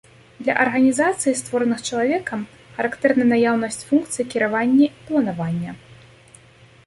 Для арганізацый, створаных чалавекам, характэрна наяўнасць функцый кіравання і планавання.